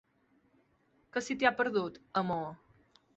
Què se t'hi ha perdut, a Maó?